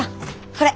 これ。